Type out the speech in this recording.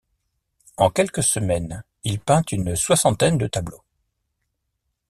En quelques semaines, il peint une soixantaine de tableaux.